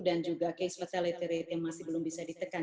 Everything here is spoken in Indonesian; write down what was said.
dan juga case fatality rate yang masih belum bisa ditekan